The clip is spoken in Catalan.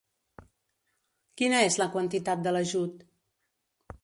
Quina és la quantitat de l'ajut?